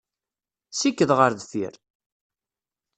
Sikked ɣer deffir!